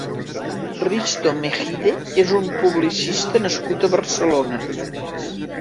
Risto Mejide és un publicista nascut a Barcelona.